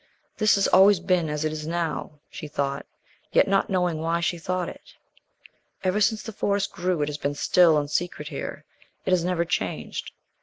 "This has always been as it is now," she thought, yet not knowing why she thought it. "Ever since the Forest grew it has been still and secret here. It has never changed."